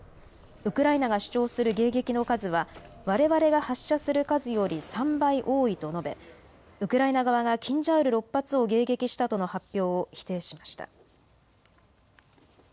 ウクライナが主張する迎撃の数はわれわれが発射する数より３倍多いと述べ、ウクライナ側がキンジャール６発を迎撃したとの発表を否定しました。